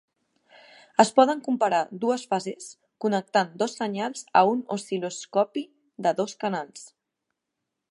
Es poden comparar dues fases connectant dos senyals a un oscil·loscopi de dos canals.